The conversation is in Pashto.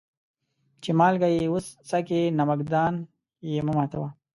چي مالگه يې وڅکې ، نمک دان يې مه ماتوه.